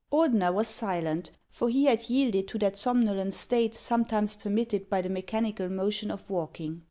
o o «/ o Ordeuer was silent, for he had yielded to that somnolent state sometimes permitted by the mechanical motion of walking.